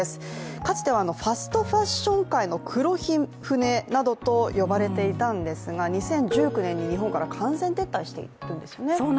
かつてはファストファッション界の黒船などと呼ばれていたんですが２０１９年に日本から完全撤退しているんですよね